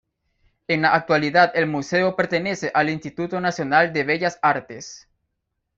En la actualidad el museo pertenece al Instituto Nacional de Bellas Artes.